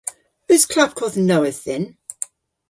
Eus klapkodh nowydh dhyn?